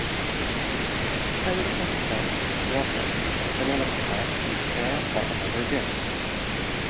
Hydrostatic tests use water, but pneumatic tests use air or another gas.